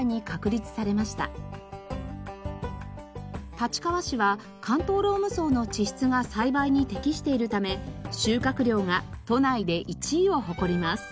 立川市は関東ローム層の地質が栽培に適しているため収穫量が都内で１位を誇ります。